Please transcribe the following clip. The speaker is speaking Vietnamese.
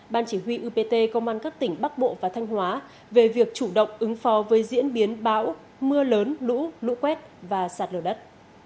ban chỉ huy upt công an các tỉnh bắc bộ và thanh hóa về việc chủ động ứng phó với diễn biến bão mưa lớn lũ lũ quét và sạt lửa đất